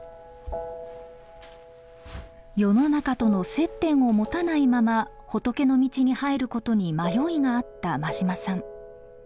世の中との接点を持たないまま仏の道に入ることに迷いがあった馬島さん。